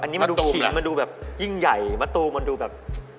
อันนี้มันดูขิงมันดูแบบยิ่งใหญ่มะตูมันดูแบบ